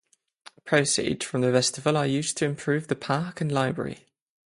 Proceeds from the festival are used to improve the park and library.